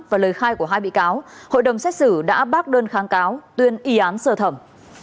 và lời khai của hai bị cáo hội đồng xét xử đã bác đơn kháng cáo tuyên y án sơ thẩm